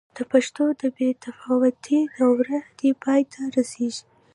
د پښتو د بې تفاوتۍ دوره دې پای ته رسېږي.